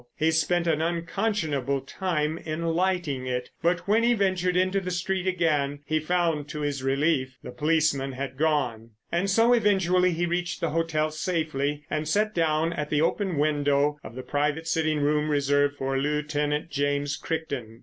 He spent an unconscionable time in lighting it, but when he ventured into the street again he found to his relief the policeman had gone. And so eventually he reached the hotel safely and sat down at the open window of the private sitting room reserved for Lieutenant James Crichton.